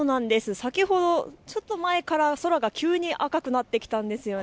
先ほど、ちょっと前から空が急に赤くなってきたんです。